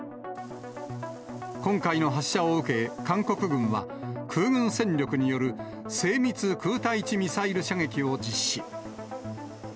今回の発射を受け、韓国軍は、空軍戦力による精密空対地ミサイル射撃を実施。